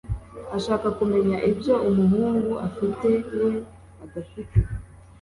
ashaka kumenya ibyo umuhungu afite we adafite